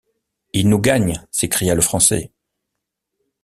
Il nous gagne, s’écria le Français.